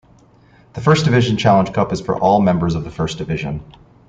The First Division Challenge Cup is for all members of the First Division.